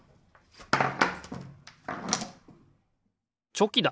チョキだ！